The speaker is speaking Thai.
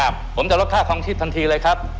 ผมจะลดค่าคลองชีพทันทีเลยครับ